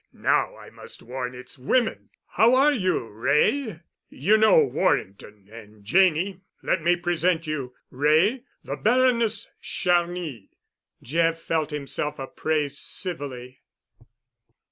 Now I must warn its women. How are you, Wray? You know Warrington—and Janney. Let me present you, Wray—the Baroness Charny." Jeff felt himself appraised civilly.